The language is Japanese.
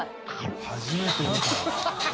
初めて見た。